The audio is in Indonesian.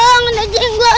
kangen aja yuk